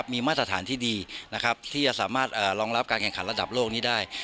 มีมาตรฐานที่ดีที่จะสามารถรองรับกลางแข่งขันระดับโลกได้